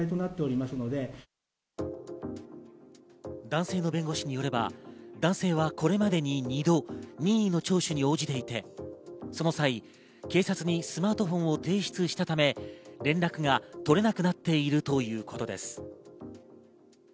男性の弁護士によれば、男性はこれまでに２度、任意の聴取に応じていて、その際、警察にスマートフォンを提出したため、連絡が取れなくなっているということです。